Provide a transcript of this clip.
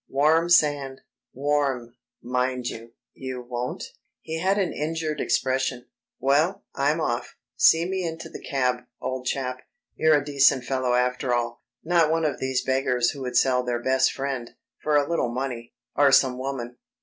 Warm sand, warm, mind you ... you won't?" He had an injured expression. "Well, I'm off. See me into the cab, old chap, you're a decent fellow after all ... not one of these beggars who would sell their best friend ... for a little money ... or some woman.